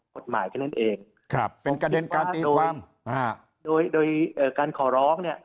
กฎหมายแค่นั้นเองครับเป็นประเด็นการตีระวังโดยโดยเอ่อการขอร้องเนี่ย